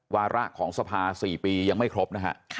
วาระของสภา๔ปียังไม่ครบนะฮะ